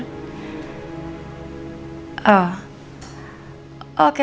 apakah saya bisa dapat kabar baik dari dokter